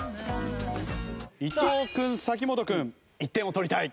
伊藤君嵜本君１点を取りたい。